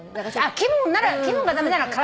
気分が駄目なら体。